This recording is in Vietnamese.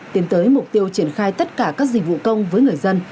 tiến tới mục tiêu triển khai tất cả các dịch vụ công với người dân